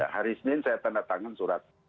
hari senin saya tanda tangan surat